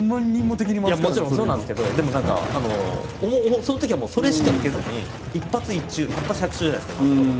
もちろんそうなんですけどでも何かそのときはもうそれしか受けずに一発一中百発百中じゃないですか今のところ。